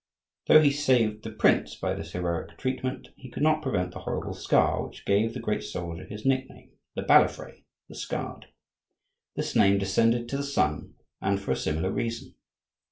Though he saved the prince by this heroic treatment, he could not prevent the horrible scar which gave the great soldier his nickname,—Le Balafre, the Scarred. This name descended to the son, and for a similar reason.